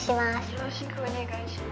よろしくお願いします。